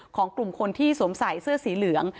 ของกลุ่มคนที่สวมใส่เสื้อสีเหลือง